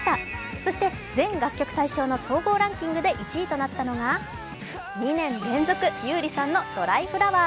そして全楽曲大賞の総合ランキングで１位となったのが２年連続、優里さんの「ドライフラワー」。